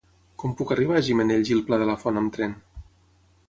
Com puc arribar a Gimenells i el Pla de la Font amb tren?